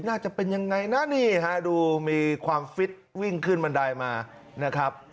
น่าจะเป็นยังไงนะนี่ฮะดูมีความฟิตวิ่งขึ้นบันไดมานะครับ